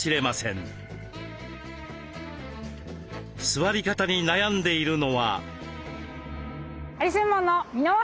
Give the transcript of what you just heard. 座り方に悩んでいるのは。